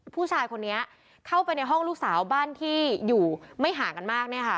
ผู้ชายคนนี้เข้าไปในห้องลูกสาวบ้านที่อยู่ไม่ห่างกันมากเนี่ยค่ะ